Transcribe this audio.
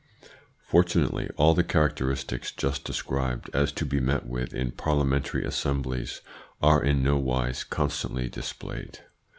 Fortunately all the characteristics just described as to be met with in parliamentary assemblies are in no wise constantly displayed.